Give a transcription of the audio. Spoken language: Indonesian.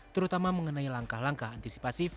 terutama mengenai langkah langkah antisipasif